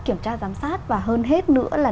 kiểm tra giám sát và hơn hết nữa là